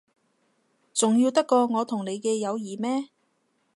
重要得過我同你嘅友誼咩？